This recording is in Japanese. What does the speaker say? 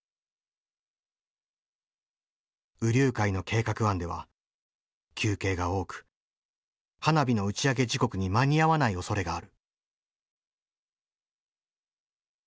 兎龍会の計画案では休憩が多く花火の打ち上げ時刻に間に合わないおそれがある。